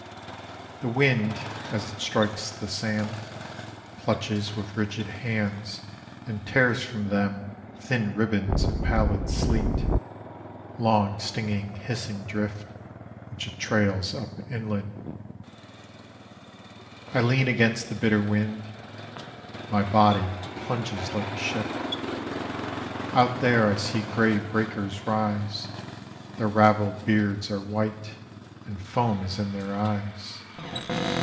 The wind, as it strikes the sand, Clutches with rigid hands And tears from them Thin ribbons of pallid sleet, Long stinging hissing drift, Which it trails up inland. I lean against the bitter wind: My body plunges like a ship. Out there I see grey breakers rise, Their ravelled beards are white, And foam is in their eyes.